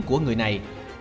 của người này